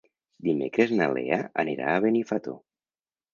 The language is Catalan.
Dimecres na Lea anirà a Benifato.